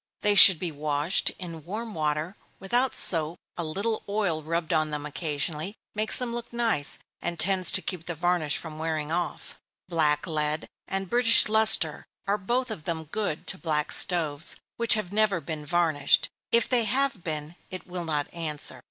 They should be washed in warm water, without soap a little oil rubbed on them occasionally, makes them look nice, and tends to keep the varnish from wearing off. Black lead and British Lustre are both of them good to black stoves which have never been varnished if they have been, it will not answer.